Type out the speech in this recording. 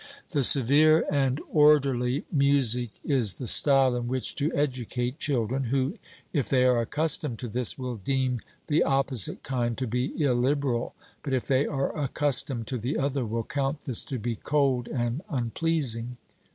The severe and orderly music is the style in which to educate children, who, if they are accustomed to this, will deem the opposite kind to be illiberal, but if they are accustomed to the other, will count this to be cold and unpleasing.